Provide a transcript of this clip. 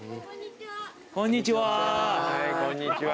こんにちは。